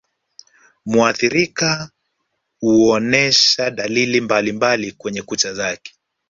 Muathirika huonesha dalili mbalimbali kwenye kucha zake